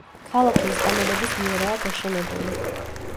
ქალაქი ესპანელების მიერაა გაშენებული.